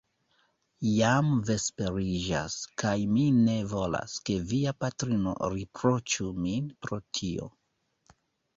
Jam vesperiĝas; kaj mi ne volas, ke via patrino riproĉu min pro tio.